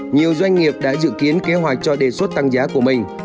nhiều doanh nghiệp đã dự kiến kế hoạch cho đề xuất tăng giá của mình